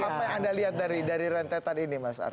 apa yang anda lihat dari rentetan ini mas arya